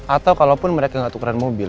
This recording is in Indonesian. atau kalaupun mereka nggak tukeran mobil